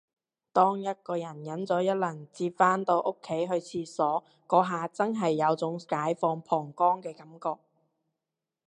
當一個人忍咗一輪至返到屋企去廁所，嗰下真係有種解放膀胱嘅感覺